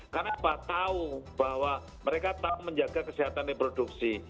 karena apa tahu bahwa mereka tahu menjaga kesehatan reproduksi